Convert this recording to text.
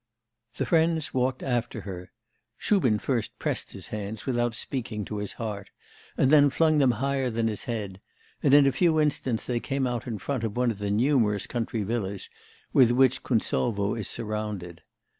The friends walked after her (Shubin first pressed his hands, without speaking, to his heart, and then flung them higher than his head), and in a few instants they came out in front of one of the numerous country villas with which Kuntsovo is surrounded.